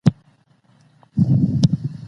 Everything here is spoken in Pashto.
موږ بايد د قلم خاوندان وهڅوو.